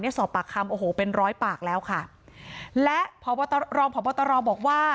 สอบปากคำโอ้โหเป็นร้อยปากแล้วค่ะและพบตรองพบตรบอกว่า